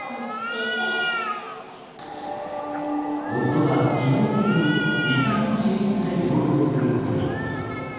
夫は基本的に２階の寝室で療養することに。